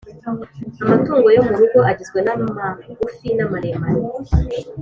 Amatungo yo murugo agizwe namagufi namaremare